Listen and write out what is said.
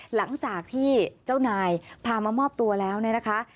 หลังจากที่เจ้านายพามามอบตัวแล้วเนี่ยนะคะ